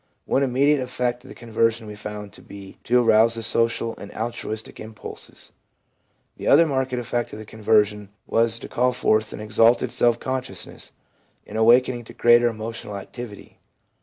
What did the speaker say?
One immediate effect of con version we found to be to arouse the social and altruistic impulses. The other marked effect of conversion was to call forth an exalted self consciousness, an awaken ing to greater emotional activity.